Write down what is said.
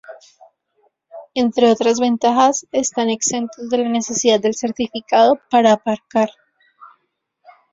Entre otras ventajas, están exentos de la necesidad del certificado para aparcar.